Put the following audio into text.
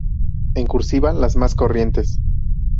En "cursiva", las más corrientes.